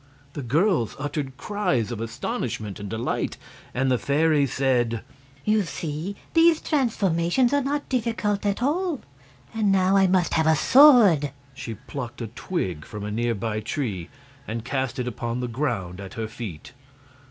The girls uttered cries of astonishment and delight, and the fairy said: "You see, these transformations are not at all difficult. I must now have a sword." She plucked a twig from a near by tree and cast it upon the ground at her feet.